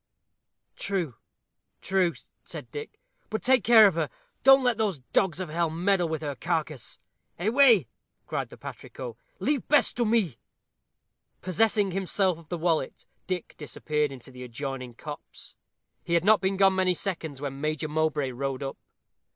"True, true," said Dick; "but take care of her, don't let those dogs of hell meddle with her carcase." "Away," cried the patrico, "leave Bess to me." Possessing himself of the wallet, Dick disappeared in the adjoining copse. He had not been gone many seconds when Major Mowbray rode up.